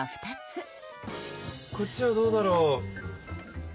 こっちはどうだろう？